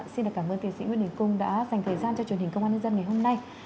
xin cảm ơn tiến sĩ nguyễn đình cung đã dành thời gian cho truyền hình công an nhân dân ngày hôm nay